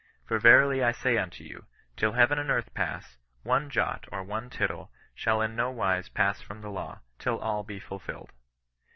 For verily I say unto you, till heaven and earth pass, one jot or one tittle shall in no wise pass from the law, till all be fulfilled.